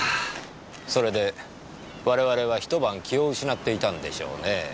それで我々は一晩気を失っていたんでしょうねえ。